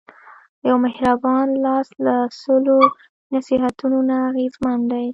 یو مهربان لاس له سلو نصیحتونو نه اغېزمن دی.